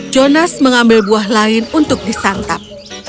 jonas mengambil buah lain untuk disantap